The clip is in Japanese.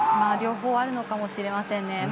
両方あるのかもしれませんね。